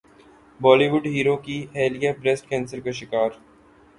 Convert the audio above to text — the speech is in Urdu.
بولی وڈ ہیرو کی اہلیہ بریسٹ کینسر کا شکار